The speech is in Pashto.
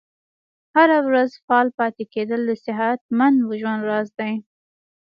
هره ورځ فعال پاتې کیدل د صحتمند ژوند راز دی.